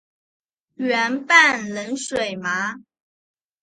圆瓣冷水麻